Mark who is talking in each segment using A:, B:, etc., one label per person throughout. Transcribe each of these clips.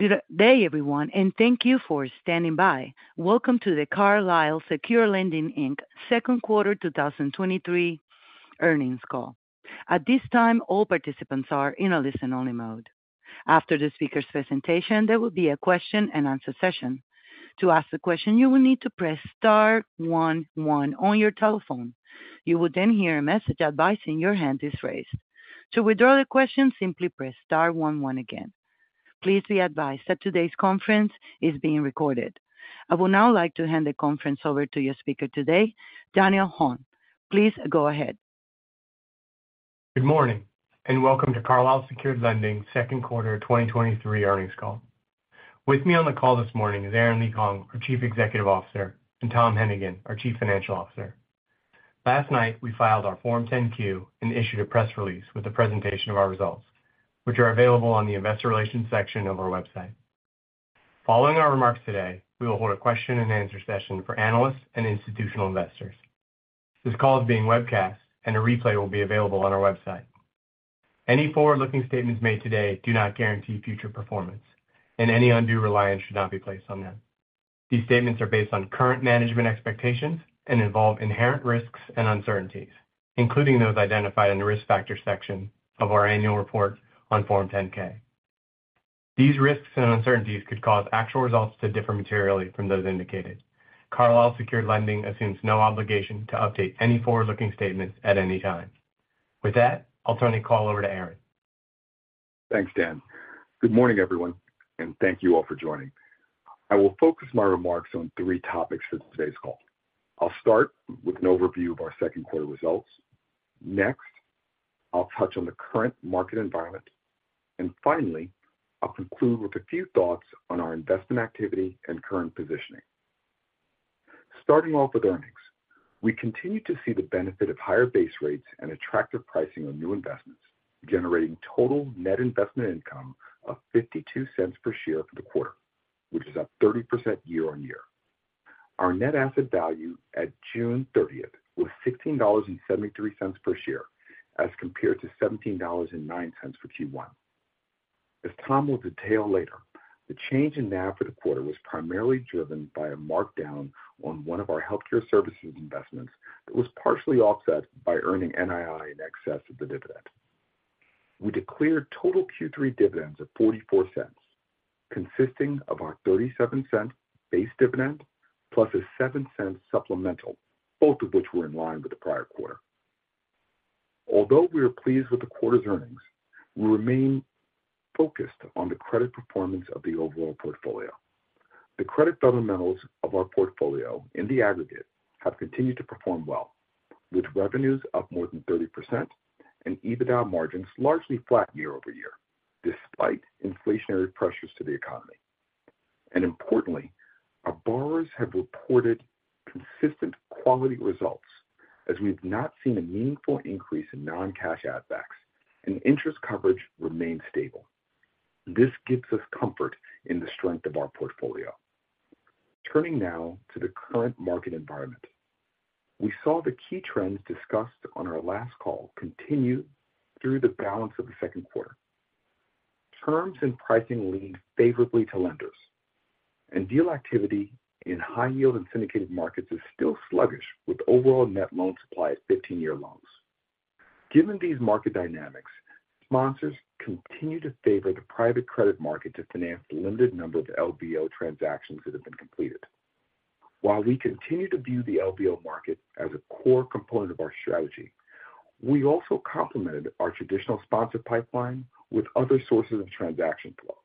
A: Good day, everyone, and thank you for standing by. Welcome to the Carlyle Secured Lending, Inc. second quarter 2023 earnings call. At this time, all participants are in a listen-only mode. After the speaker's presentation, there will be a question-and-answer session. To ask a question, you will need to press star one one on your telephone. You will then hear a message advising your hand is raised. To withdraw the question, simply press star one one again. Please be advised that today's conference is being recorded. I would now like to hand the conference over to your speaker today, Daniel Hahn. Please go ahead.
B: Good morning, welcome to Carlyle Secured Lending second quarter 2023 earnings call. With me on the call this morning is Aren LeeKong, our Chief Executive Officer, and Tom Hennigan, our Chief Financial Officer. Last night, we filed our Form 10-Q and issued a press release with the presentation of our results, which are available on the investor relations section of our website. Following our remarks today, we will hold a question-and-answer session for analysts and institutional investors. This call is being webcast, and a replay will be available on our website. Any forward-looking statements made today do not guarantee future performance, and any undue reliance should not be placed on them. These statements are based on current management expectations and involve inherent risks and uncertainties, including those identified in the Risk Factors section of our annual report on Form 10-K. These risks and uncertainties could cause actual results to differ materially from those indicated. Carlyle Secured Lending assumes no obligation to update any forward-looking statements at any time. With that, I'll turn the call over to Aren.
C: Thanks, Dan. Good morning, everyone, thank you all for joining. I will focus my remarks on three topics for today's call. I'll start with an overview of our second quarter results. Next, I'll touch on the current market environment. Finally, I'll conclude with a few thoughts on our investment activity and current positioning. Starting off with earnings. We continue to see the benefit of higher base rates and attractive pricing on new investments, generating total net investment income of 0.52 per share for the quarter, which is up 30% year-on-year. Our net asset value at June 30th was $16.73 per share, as compared to $17.09 for Q1. As Tom will detail later, the change in NAV for the quarter was primarily driven by a markdown on one of our healthcare services investments that was partially offset by earning NII in excess of the dividend. We declared total Q3 dividends of 0.44, consisting of our 0.37 base dividend plus a 0.07 supplemental, both of which were in line with the prior quarter. Although we are pleased with the quarter's earnings, we remain focused on the credit performance of the overall portfolio. The credit fundamentals of our portfolio in the aggregate have continued to perform well, with revenues up more than 30% and EBITDA margins largely flat year-over-year, despite inflationary pressures to the economy. Importantly, our borrowers have reported consistent quality results as we've not seen a meaningful increase in non-cash ad backs, and interest coverage remains stable. This gives us comfort in the strength of our portfolio. Turning now to the current market environment. We saw the key trends discussed on our last call continue through the balance of the second quarter. Terms and pricing lean favorably to lenders, and deal activity in high yield and syndicated markets is still sluggish, with overall net loan supply at 15-year lows. Given these market dynamics, sponsors continue to favor the private credit market to finance the limited number of LBO transactions that have been completed. While we continue to view the LBO market as a core component of our strategy, we also complemented our traditional sponsor pipeline with other sources of transaction flow.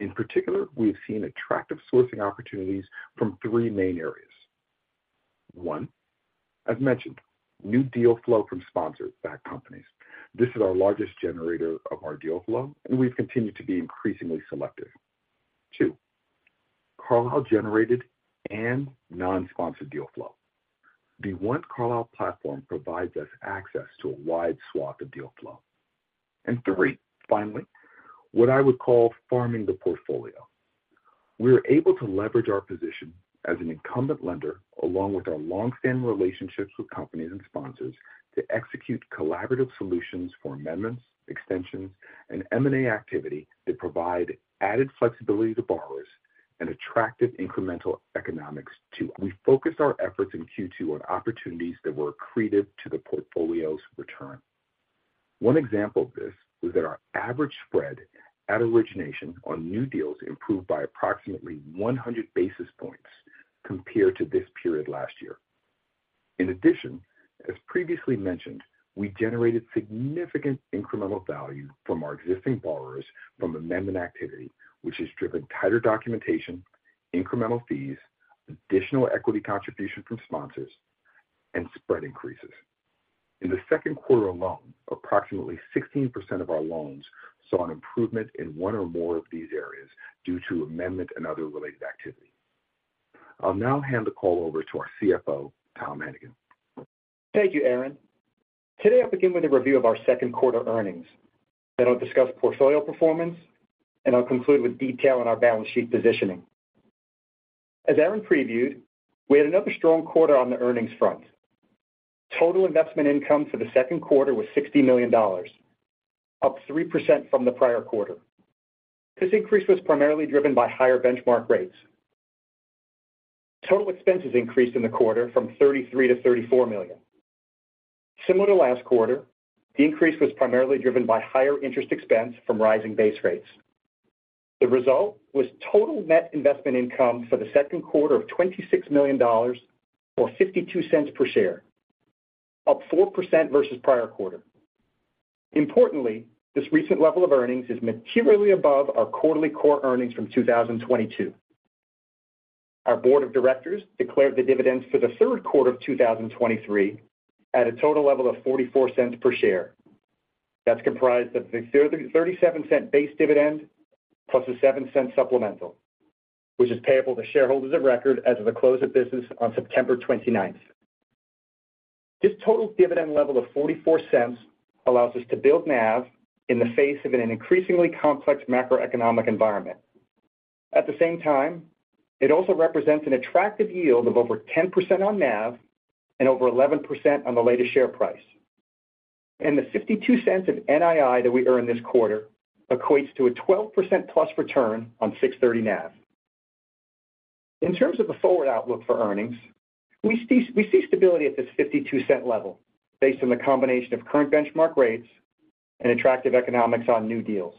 C: In particular, we have seen attractive sourcing opportunities from three main areas. one, as mentioned, new deal flow from sponsor-backed companies. This is our largest generator of our deal flow, and we've continued to be increasingly selective. two, Carlyle-generated and non-sponsored deal flow. The One Carlyle platform provides us access to a wide swath of deal flow. three, finally, what I would call farming the portfolio. We are able to leverage our position as an incumbent lender, along with our long-standing relationships with companies and sponsors, to execute collaborative solutions for amendments, extensions, and M&A activity that provide added flexibility to borrowers and attractive incremental economics, too. We focused our efforts in Q2 on opportunities that were accretive to the portfolio's return. One example of this was that our average spread at origination on new deals improved by approximately 100 basis points compared to this period last year. In addition, as previously mentioned, we generated significant incremental value from our existing borrowers from amendment activity, which has driven tighter documentation, incremental fees, additional equity contribution from sponsors, and spread increases. In the second quarter alone, approximately 16% of our loans saw an improvement in one or more of these areas due to amendment and other related activity. I'll now hand the call over to our CFO, Tom Hennigan.
D: Thank you, Aren. Today, I'll begin with a review of our second quarter earnings. I'll discuss portfolio performance, and I'll conclude with detail on our balance sheet positioning. ...As Aren previewed, we had another strong quarter on the earnings front. Total investment income for the second quarter was $60 million, up 3% from the prior quarter. This increase was primarily driven by higher benchmark rates. Total expenses increased in the quarter from 33 million-34 million. Similar to last quarter, the increase was primarily driven by higher interest expense from rising base rates. The result was total net investment income for the second quarter of $26 million, or 0.52 per share, up 4% versus prior quarter. Importantly, this recent level of earnings is materially above our quarterly core earnings from 2022. Our board of directors declared the dividends for the third quarter of 2023 at a total level of 0.44 per share. That's comprised of the 0.37 base dividend plus a 0.07 supplemental, which is payable to shareholders of record as of the close of business on September 29th. This total dividend level of 0.44 allows us to build NAV in the face of an increasingly complex macroeconomic environment. At the same time, it also represents an attractive yield of over 10% on NAV and over 11% on the latest share price. The 0.52 of NII that we earned this quarter equates to a 12%+ return on 6/30 NAV. In terms of the forward outlook for earnings, we see stability at this 0.52 level based on the combination of current benchmark rates and attractive economics on new deals.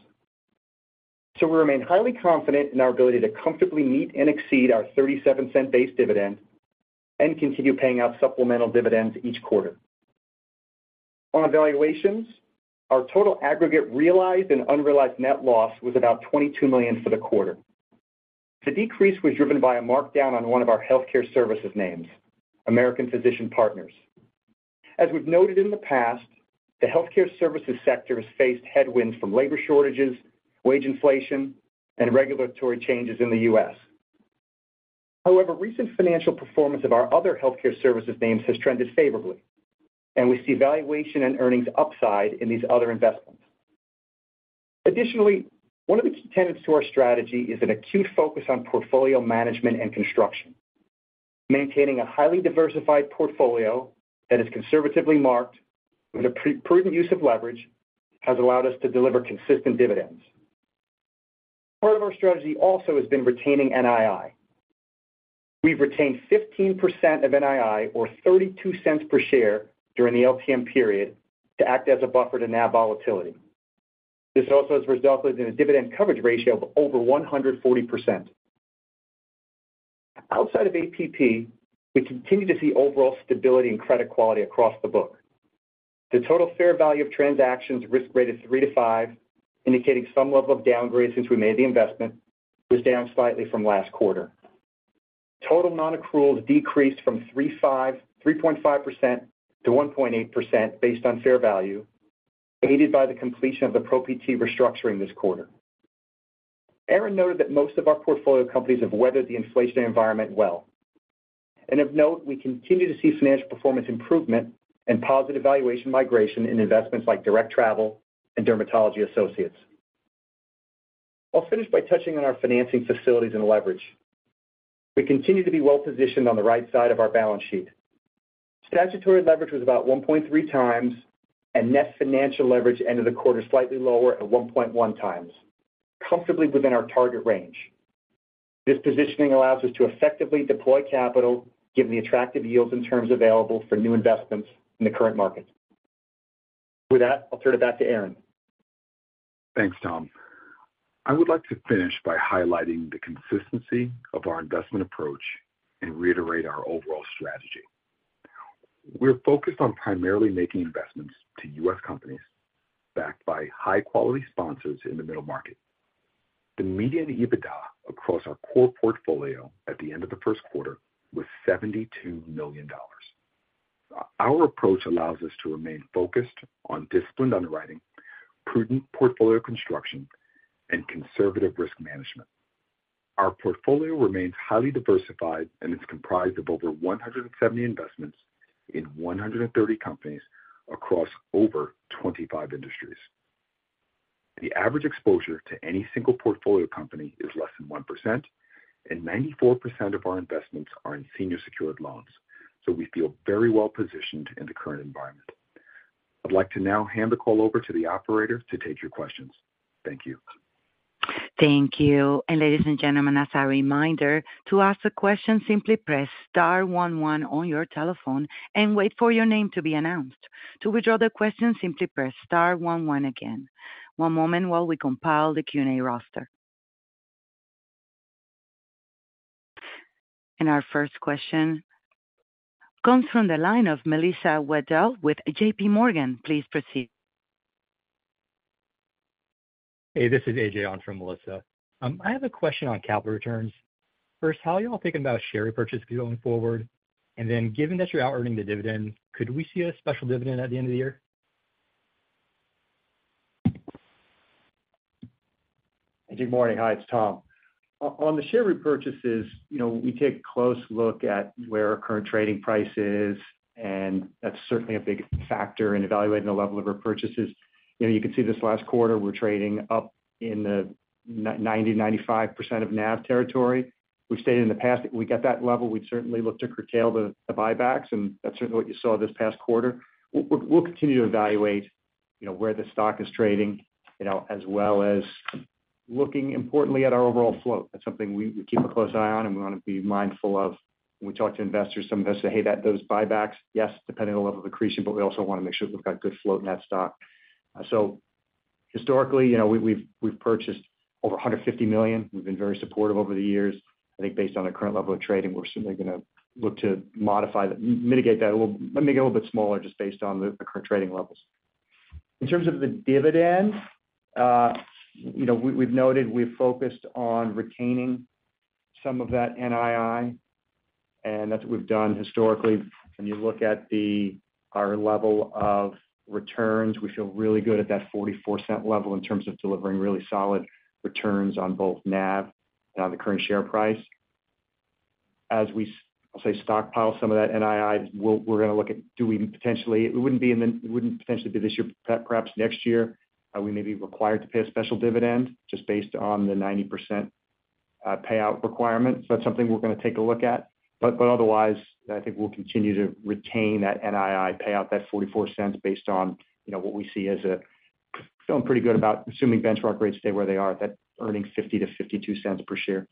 D: We remain highly confident in our ability to comfortably meet and exceed our 0.37 base dividend and continue paying out supplemental dividends each quarter. On valuations, our total aggregate realized and unrealized net loss was about 22 million for the quarter. The decrease was driven by a markdown on one of our healthcare services names, American Physician Partners. As we've noted in the past, the healthcare services sector has faced headwinds from labor shortages, wage inflation, and regulatory changes in the U.S. However, recent financial performance of our other healthcare services names has trended favorably, and we see valuation and earnings upside in these other investments. Additionally, one of the tenets to our strategy is an acute focus on portfolio management and construction. Maintaining a highly diversified portfolio that is conservatively marked with a prudent use of leverage, has allowed us to deliver consistent dividends. Part of our strategy also has been retaining NII. We've retained 15% of NII, or 0.32 per share during the LTM period, to act as a buffer to NAV volatility. This also has resulted in a dividend coverage ratio of over 140%. Outside of APP, we continue to see overall stability and credit quality across the book. The total fair value of transactions risk-rated three-five, indicating some level of downgrade since we made the investment, was down slightly from last quarter. Total non-accruals decreased from 3.5% to 1.8% based on fair value, aided by the completion of the ProPT restructuring this quarter. Aren noted that most of our portfolio companies have weathered the inflationary environment well. Of note, we continue to see financial performance improvement and positive valuation migration in investments like Direct Travel and Dermatology Associates. I'll finish by touching on our financing facilities and leverage. We continue to be well positioned on the right side of our balance sheet. Statutory leverage was about 1.3 times, and net financial leverage ended the quarter slightly lower at 1.1 times, comfortably within our target range. This positioning allows us to effectively deploy capital, given the attractive yields and terms available for new investments in the current market. With that, I'll turn it back to Aren.
C: Thanks, Tom. I would like to finish by highlighting the consistency of our investment approach and reiterate our overall strategy. We're focused on primarily making investments to U.S. companies backed by high-quality sponsors in the middle market. The median EBITDA across our core portfolio at the end of the first quarter was $72 million. Our approach allows us to remain focused on disciplined underwriting, prudent portfolio construction, and conservative risk management. Our portfolio remains highly diversified and is comprised of over 170 investments in 130 companies across over 25 industries. The average exposure to any single portfolio company is less than 1%, and 94% of our investments are in senior secured loans. We feel very well positioned in the current environment. I'd like to now hand the call over to the operator to take your questions. Thank you.
A: Thank you. Ladies and gentlemen, as a reminder, to ask a question, simply press star one one on your telephone and wait for your name to be announced. To withdraw the question, simply press star one one again. One moment while we compile the Q&A roster. Our first question comes from the line of Melissa Wedel with JPMorgan. Please proceed.
E: Hey, this is AJ on for Melissa. I have a question on capital returns. First, how are you all thinking about share repurchases going forward? Given that you're outearning the dividend, could we see a special dividend at the end of the year?
D: Good morning. Hi, it's Tom. On the share repurchases, you know, we take a close look at where our current trading price is, and that's certainly a big factor in evaluating the level of repurchases. You know, you can see this last quarter, we're trading up in the 90%-95% of NAV territory. We've stated in the past, if we get that level, we'd certainly look to curtail the, the buybacks, and that's certainly what you saw this past quarter. We'll, we'll continue to evaluate, you know, where the stock is trading, you know, as well as looking importantly at our overall float. That's something we, we keep a close eye on and we want to be mindful of. When we talk to investors, some investors say, "Hey, that those buybacks," yes, depending on the level of accretion, but we also want to make sure that we've got good float in that stock. Historically, you know, we've purchased over 150 million. We've been very supportive over the years. I think based on the current level of trading, we're certainly gonna look to modify that mitigate that a little, make it a little bit smaller just based on the current trading levels. In terms of the dividend, you know, we've noted we've focused on retaining some of that NII, and that's what we've done historically. When you look at our level of returns, we feel really good at that 0.44 level in terms of delivering really solid returns on both NAV, the current share price. As we, I'll say, stockpile some of that NII, we're gonna look at do we potentially. It wouldn't be it wouldn't potentially be this year, perhaps next year, we may be required to pay a special dividend just based on the 90% payout requirement. That's something we're gonna take a look at. But otherwise, I think we'll continue to retain that NII, pay out that 0.44 based on, you know, what we see as feeling pretty good about assuming benchmark rates stay where they are, at that earning 0.50-0.52 per share.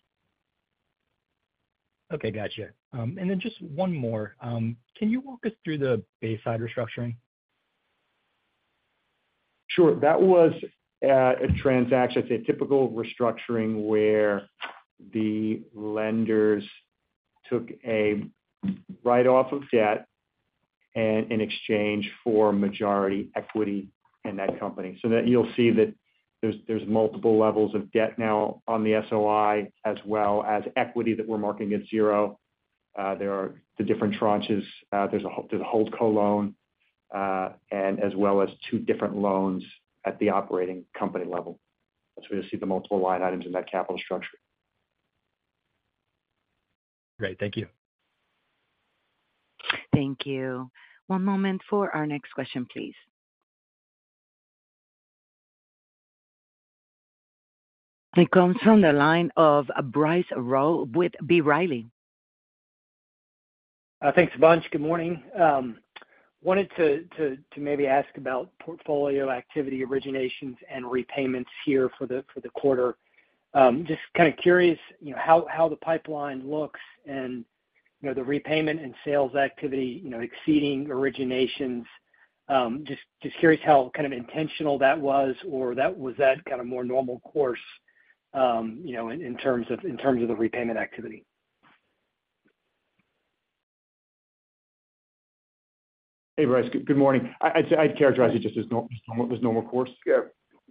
E: Okay, gotcha. Then just one more. Can you walk us through the Bayside restructuring?
D: Sure. That was a transaction, it's a typical restructuring where the lenders took a write-off of debt and in exchange for majority equity in that company. So that you'll see that there's, there's multiple levels of debt now on the SOI, as well as equity that we're marking at zero. There are the different tranches, there's a holdco loan, and as well as two different loans at the operating company level. That's where you'll see the multiple line items in that capital structure.
E: Great. Thank you.
A: Thank you. One moment for our next question, please. It comes from the line of Bryce Rowe with B. Riley.
F: Thanks a bunch. Good morning. Wanted to maybe ask about portfolio activity, originations, and repayments here for the quarter. Just kind of curious, you know, how the pipeline looks and, you know, the repayment and sales activity, you know, exceeding originations? Just curious how kind of intentional that was, or was that kind of more normal course, you know, in terms of, in terms of the repayment activity?
D: Hey, Bryce, good morning. I, I'd say I'd characterize it just as normal course.
C: Yeah.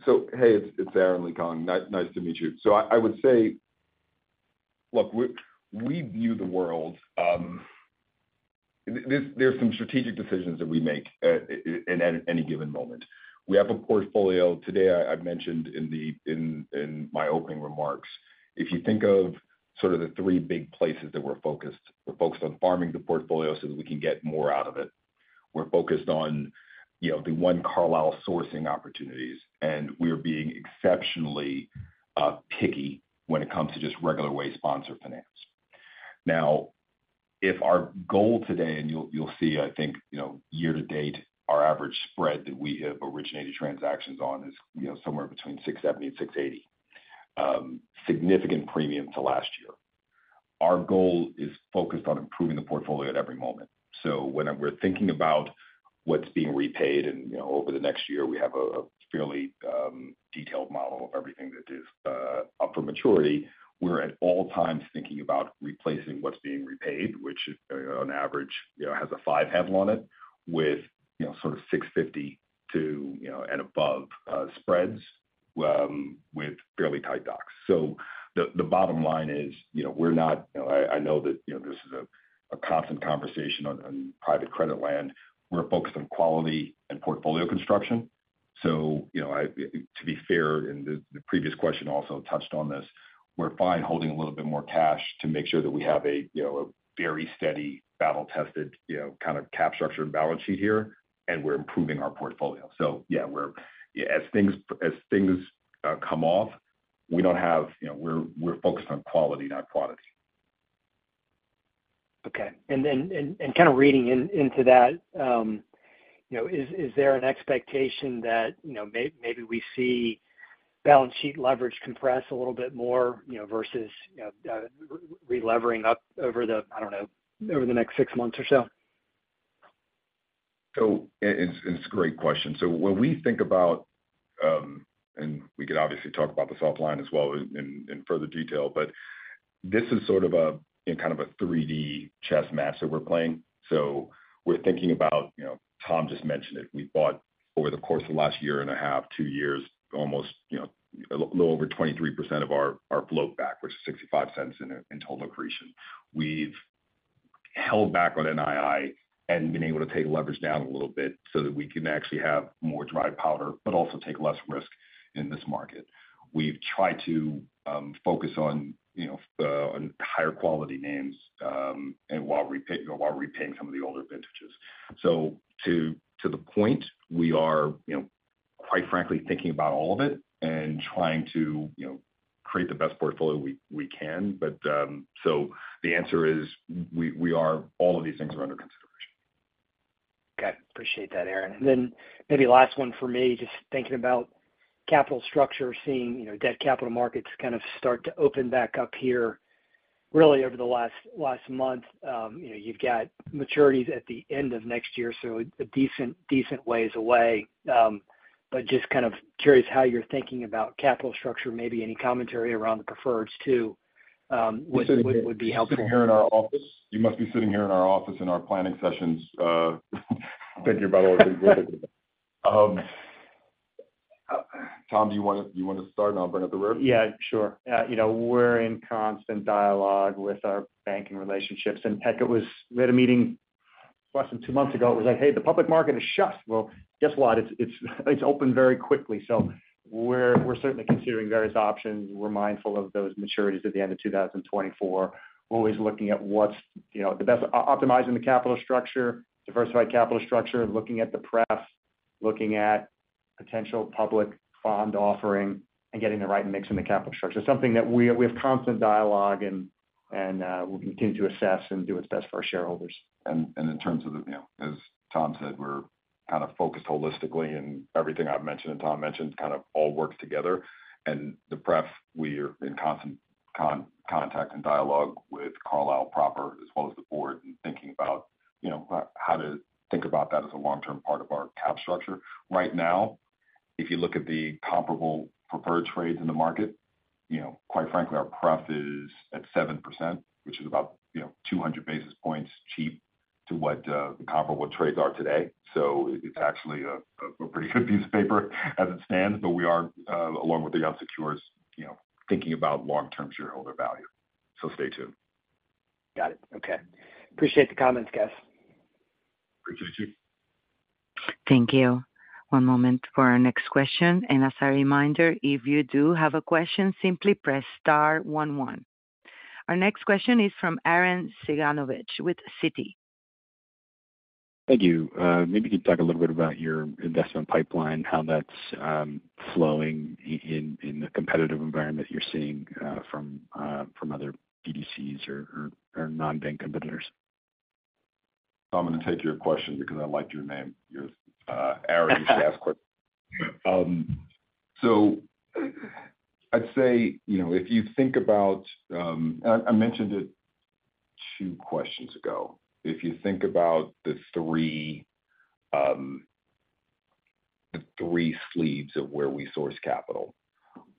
C: Hey, it's, it's Aren LeeKong. nice to meet you. I, I would say, look, we, we view the world. There's, there's some strategic decisions that we make at, in, at any given moment. We have a portfolio. Today, I, I've mentioned in the, in, in my opening remarks, if you think of sort of the three big places that we're focused, we're focused on farming the portfolio so that we can get more out of it. We're focused on, you know, the One Carlyle sourcing opportunities, and we're being exceptionally picky when it comes to just regular way sponsored finance. If our goal today, and you'll, you'll see, I think, you know, year to date, our average spread that we have originated transactions on is, you know, somewhere between 670 and 680, significant premium to last year. Our goal is focused on improving the portfolio at every moment. When we're thinking about what's being repaid and, you know, over the next year, we have a fairly detailed model of everything that is up for maturity. We're at all times thinking about replacing what's being repaid, which on average, you know, has a five handle on it, with, you know, sort of 6.50 to, you know, and above spreads, with fairly tight docks. The bottom line is, you know, we're not, I, I know that, you know, this is a constant conversation on private credit land. We're focused on quality and portfolio construction. You know, I, to be fair, and the previous question also touched on this, we're fine holding a little bit more cash to make sure that we have a, you know, a very steady, battle-tested, you know, kind of cap structure and balance sheet here, and we're improving our portfolio. Yeah, we're as things, as things come off, we don't have, you know, we're, we're focused on quality, not quantity.
F: Okay. Then, and, and kind of reading in, into that, you know, is, is there an expectation that, you know, may- maybe we see balance sheet leverage compress a little bit more, you know, versus, you know, re-levering up over the, I don't know, over the next 6 months or so?
C: It's a great question. When we think about, and we could obviously talk about this offline as well in further detail, but this is sort of a, in kind of a 3D chess match that we're playing. We're thinking about, you know, Tom just mentioned it. We bought over the course of the last year and a half, two years, almost, you know, little over 23% of our, our float back, which is 0.65 in total accretion. We've held back on NII and been able to take leverage down a little bit so that we can actually have more dry powder, but also take less risk in this market. We've tried to focus on, you know, higher quality names, and while repaying some of the older vintages. To, to the point, we are, you know, quite frankly, thinking about all of it and trying to, you know, create the best portfolio we, we can. The answer is, we, we are, all of these things are under consideration.
F: Okay. Appreciate that, Aren. Then maybe last one for me, just thinking about capital structure, seeing, you know, debt capital markets kind of start to open back up here really over the last month. You know, you've got maturities at the end of next year, so a decent ways away. Just kind of curious how you're thinking about capital structure. Maybe any commentary around the preferreds too, would be helpful.
C: Sitting here in our office. You must be sitting here in our office in our planning sessions, thinking about all these things. Tom, do you want to, do you want to start and I'll bring up the rear?
D: Yeah, sure. You know, we're in constant dialogue with our banking relationships. Heck, we had a meeting less than two months ago. It was like, "Hey, the public market is shut." Well, guess what? It's, it's, it's open very quickly. We're, we're certainly considering various options. We're mindful of those maturities at the end of 2024. We're always looking at what's, you know, the best optimizing the capital structure, diversified capital structure, looking at the pref, looking at potential public bond offering and getting the right mix in the capital structure. It's something that we have constant dialogue and, and we'll continue to assess and do what's best for our shareholders.
C: In terms of the, you know, as Tom said, we're kind of focused holistically, and everything I've mentioned and Tom mentioned kind of all works together. The pref, we are in constant contact and dialogue with Carlyle proper, as well as the board, and thinking about, you know, how to think about that as a long-term part of our cap structure. Right now, if you look at the comparable preferred trades in the market, you know, quite frankly, our pref is at 7%, which is about, you know, 200 basis points cheap to what the comparable trades are today. It's actually a pretty good piece of paper as it stands, but we are along with the unsecureds, you know, thinking about long-term shareholder value. Stay tuned.
F: Got it. Okay. Appreciate the comments, guys.
C: Appreciate you.
A: Thank you. One moment for our next question. As a reminder, if you do have a question, simply press star 0ne, one. Our next question is from Arren Cyganovich with Citi.
G: Thank you. Maybe you could talk a little bit about your investment pipeline, how that's flowing in, in the competitive environment you're seeing from other BDCs or, or, or non-bank competitors?
C: I'm gonna take your question because I like your name. You're, Aren, you should ask questions. I'd say, you know, if you think about, I, I mentioned it two questions ago. If you think about the three, the three sleeves of where we source capital,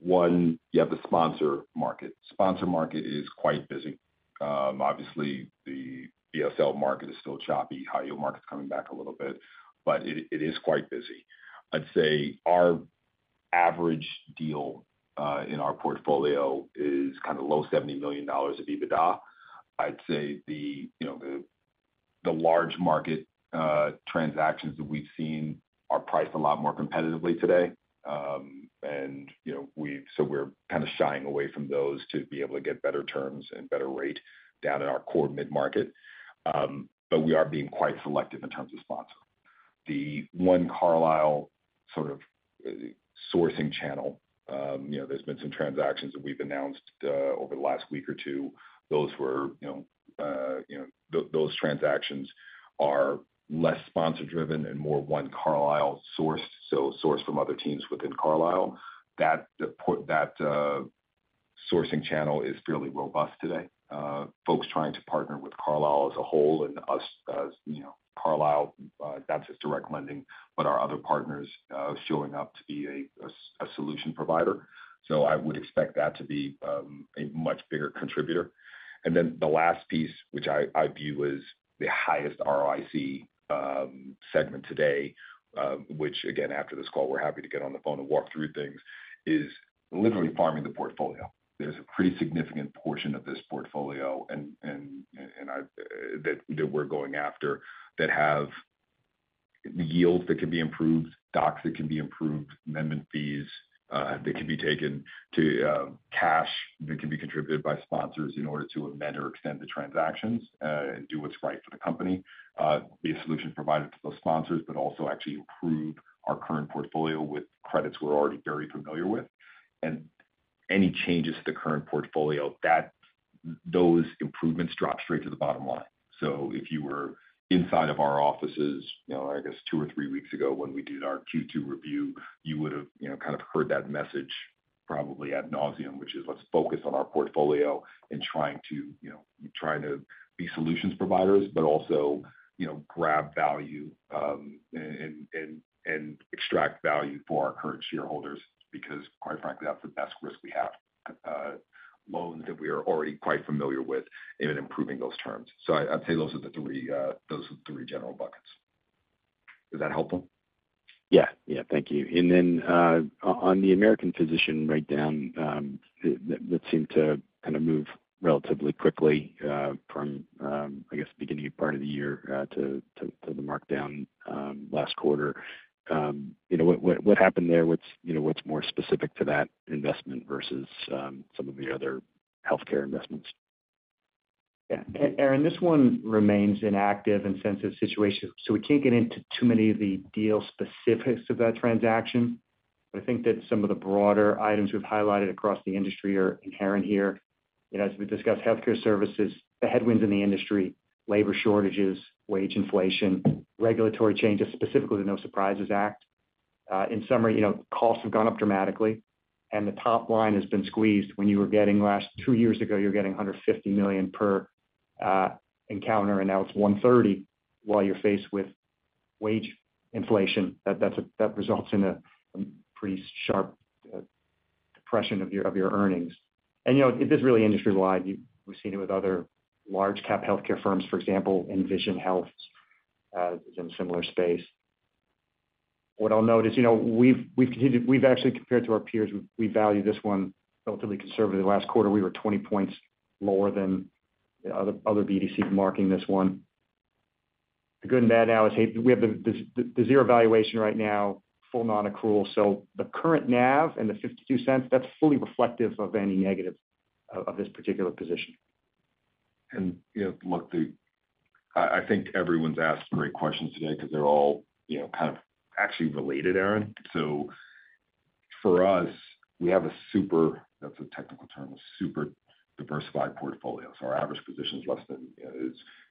C: one, you have the sponsor market. Sponsor market is quite busy. Obviously, the BSL market is still choppy, high-yield market's coming back a little bit, but it, it is quite busy. I'd say our average deal in our portfolio is kind of low $70 million of EBITDA. I'd say the, you know, the, the large market transactions that we've seen are priced a lot more competitively today. You know, so we're kind of shying away from those to be able to get better terms and better rate down in our core mid-market. We are being quite selective in terms of sponsors. The One Carlyle sort of sourcing channel, you know, there's been some transactions that we've announced over the last week or two. Those were, you know, you know, those transactions are less sponsor-driven and more One Carlyle sourced, so sourced from other teams within Carlyle. That, that sourcing channel is fairly robust today. Folks trying to partner with Carlyle as a whole and us as, you know, Carlyle, that's just direct lending, but our other partners showing up to be a solution provider. I would expect that to be a much bigger contributor. The last piece, which I, I view as the highest ROIC segment today, which again, after this call, we're happy to get on the phone and walk through things, is literally farming the portfolio. There's a pretty significant portion of this portfolio that we're going after, that have yields that can be improved, docs that can be improved, amendment fees that can be taken to cash that can be contributed by sponsors in order to amend or extend the transactions and do what's right for the company. Be a solution provider to those sponsors, but also actually improve our current portfolio with credits we're already very familiar with. Any changes to the current portfolio, those improvements drop straight to the bottom line. If you were inside of our offices, you know, I guess two or three weeks ago when we did our Q2 review, you would have, you know, kind of heard that message probably ad nauseam, which is, let's focus on our portfolio and trying to, you know, trying to be solutions providers, but also, you know, grab value, and, and, and extract value for our current shareholders, because quite frankly, that's the best risk we have, loans that we are already quite familiar with and improving those terms. I, I'd say those are the three, those are the three general buckets. Is that helpful?
G: Yeah. Yeah, thank you. Then on the American Physician write down, that seemed to kind of move relatively quickly, from I guess, the beginning part of the year, to the markdown last quarter. You know, what, what, what happened there? What's, you know, what's more specific to that investment versus some of the other healthcare investments?
D: Yeah, Aren, this one remains an active and sensitive situation, so we can't get into too many of the deal specifics of that transaction. I think that some of the broader items we've highlighted across the industry are inherent here. You know, as we discussed, healthcare services, the headwinds in the industry, labor shortages, wage inflation, regulatory changes, specifically the No Surprises Act. In summary, you know, costs have gone up dramatically, and the top line has been squeezed. When you were getting two years ago, you were getting 150 million per encounter, and now it's 130, while you're faced with wage inflation. That results in a pretty sharp depression of your, of your earnings. You know, this is really industry-wide. We've seen it with other large cap healthcare firms, for example, Envision Healthcare is in a similar space. What I'll note is, you know, we've actually, compared to our peers, we value this one relatively conservatively. Last quarter, we were 20 points lower than the other, other BDCs marking this one. The good and bad now is, hey, we have the zero valuation right now, full non-accrual. The current NAV and the 0.52, that's fully reflective of any negative of this particular position.
C: You know, look, I think everyone's asked great questions today because they're all, you know, kind of actually related, Aren. For us, we have a super, that's a technical term, a super diversified portfolio. Our average position is less than,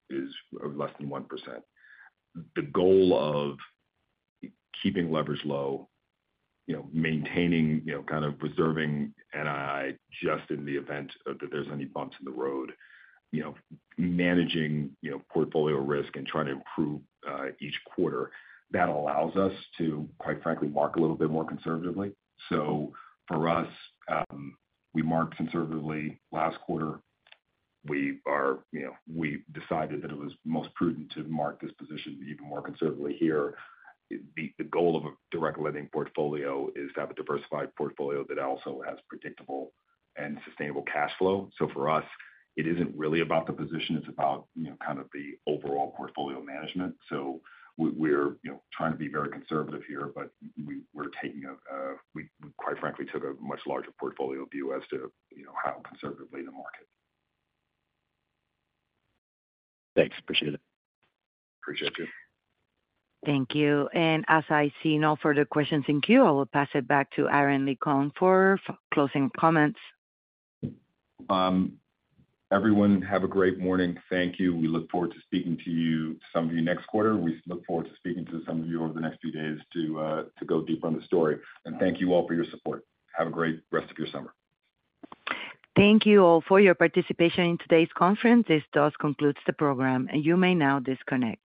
C: is less than 1%. The goal of keeping leverage low, you know, maintaining, you know, kind of preserving NII just in the event of that there's any bumps in the road, you know, managing, you know, portfolio risk and trying to improve each quarter, that allows us to, quite frankly, mark a little bit more conservatively. For us, we marked conservatively last quarter. You know, we decided that it was most prudent to mark this position even more conservatively here. The goal of a direct lending portfolio is to have a diversified portfolio that also has predictable and sustainable cash flow. For us, it isn't really about the position, it's about, you know, kind of the overall portfolio management. We're, you know, trying to be very conservative here, but we're taking a, quite frankly, took a much larger portfolio view as to, you know, how conservatively to mark it.
D: Thanks. Appreciate it.
C: Appreciate you.
A: Thank you. As I see no further questions in queue, I will pass it back to Aren LeeKong for closing comments.
C: Everyone, have a great morning. Thank you. We look forward to speaking to you, some of you next quarter. We look forward to speaking to some of you over the next few days to go deep on the story. Thank you all for your support. Have a great rest of your summer.
A: Thank you all for your participation in today's conference. This does conclude the program, and you may now disconnect.